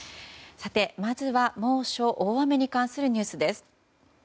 さてまずは猛暑、大雨に関するニュースです。